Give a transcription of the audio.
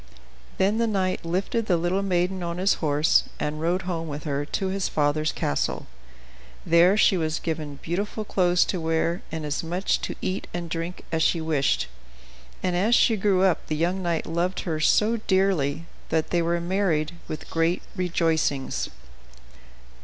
Then the knight lifted the little maiden on his horse, and rode home with her to his father's castle. There she was given beautiful clothes to wear, and as much to eat and drink as she wished, and as she grew up the young knight loved her so dearly that they were married with great rejoicings.